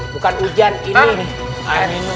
bukan hujan ini